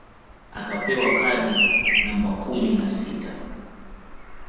Akapewa kadi namba kumi na sita